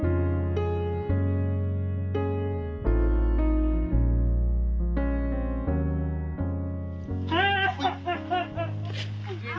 วันที่สุดท้ายเกิดขึ้นเกิดขึ้น